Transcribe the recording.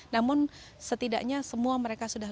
namun setidaknya semua mereka sudah